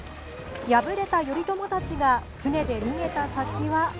敗れた頼朝たちが舟で逃げた先は。